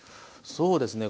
そうですね